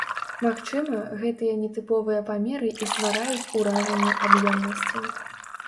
Магчыма, гэтыя нетыповыя памеры і ствараюць уражанне аб'ёмнасці.